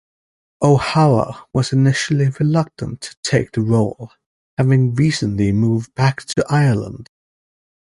O'Hara was initially reluctant to take the role, having recently moved back to Ireland.